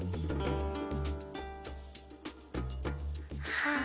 はあ。